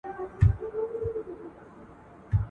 دا ډاکټر تر بل هغه اوږده پاڼه ژر ړنګوي.